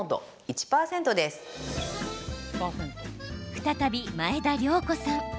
再び、前田量子さん。